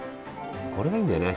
これがいいんだよね。